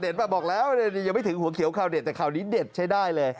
บอกแล้วยังไม่ถึงหัวเขียวข่าวเด็ดแต่ข่าวนี้เด็ดใช้ได้เลย